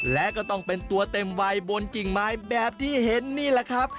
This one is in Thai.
และก็ต้องเป็นตัวเต็มวัยบนกิ่งไม้แบบที่เห็นนี่แหละครับ